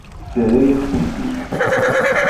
Terra-yakent-t-id.